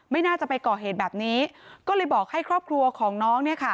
ไม่น่าจะไปก่อเหตุแบบนี้ก็เลยบอกให้ครอบครัวของน้องเนี่ยค่ะ